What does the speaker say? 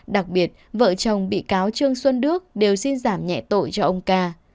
đặc biệt vợ chồng bị cáo trương xuân đức đều xin giảm nhẹ tội cho ông ca